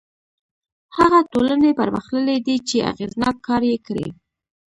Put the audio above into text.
هغه ټولنې پرمختللي دي چې اغېزناک کار یې کړی.